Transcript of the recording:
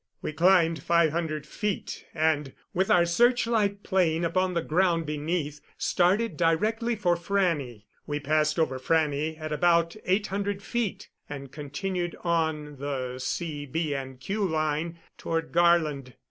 We climbed five hundred feet and, with our searchlight playing upon the ground beneath, started directly for Frannie. We passed over Frannie at about eight hundred feet, and continued on the C., B. and Q. line toward Garland.